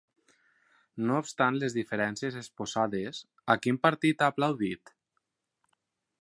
No obstant les diferències exposades, a quin partit ha aplaudit?